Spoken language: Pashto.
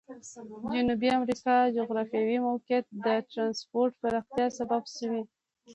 جنوبي امریکا جغرافیوي موقعیت د ترانسپورت پراختیا سبب شوی.